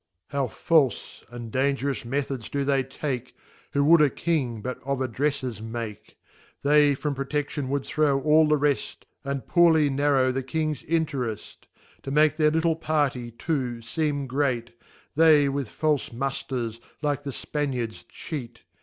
How falfe, and dangerous Methods do they take, Who would a King but of AddreiTers make t They from Protection would throw all the reft> And poorly narrow the Kings Intereft. To make their little Party too, feem great, They with falfe Mufters, like the Spaniards, cheat